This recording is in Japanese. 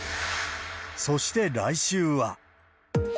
そして、来週は。